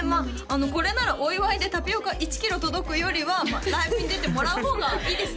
これならお祝いでタピオカ１キロ届くよりはライブに出てもらう方がいいですね